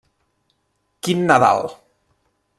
Quin Nadal!